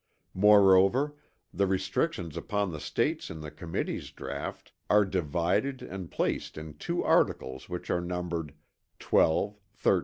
Moreover the restrictions upon the States in the Committee's draught are divided and placed in two articles which are numbered XII, XIII.